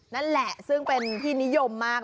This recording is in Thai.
นั่นแหละซึ่งเป็นที่นิยมมาก